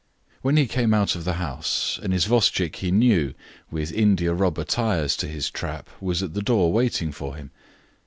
When he came out of the house, an isvostchik he knew, with india rubber tires to his trap, was at the door waiting for him.